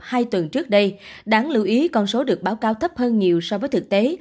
hai tuần trước đây đáng lưu ý con số được báo cáo thấp hơn nhiều so với thực tế